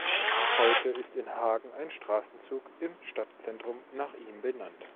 Noch heute ist in Hagen ein Straßenzug im Stadtzentrum nach ihm benannt.